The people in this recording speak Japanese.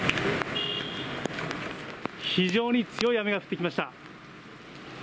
非常に強い雨が降ってきました。